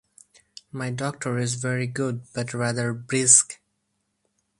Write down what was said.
My doctor is very good but rather brisk.